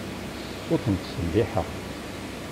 Ur ten-ttselliḥeɣ.